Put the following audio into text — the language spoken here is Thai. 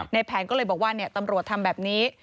แผนก็เลยบอกว่าตำรวจทำแบบนี้